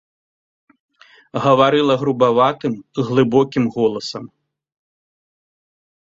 Гаварыла грубаватым, глыбокім голасам.